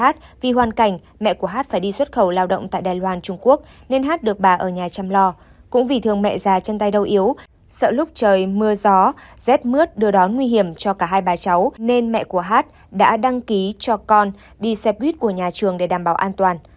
sợ lúc trời mưa gió rét mướt đưa đón nguy hiểm cho cả hai bà cháu nên mẹ của hát đã đăng ký cho con đi xe buýt của nhà trường để đảm bảo an toàn